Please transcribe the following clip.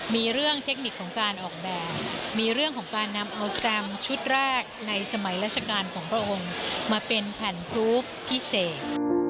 มีเรื่องเทคนิคของการออกแบบมีเรื่องของการนำเอาสแตมชุดแรกในสมัยราชการของพระองค์มาเป็นแผ่นกรูปพิเศษ